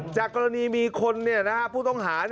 จากกรณีมีคนผู้ต้องหา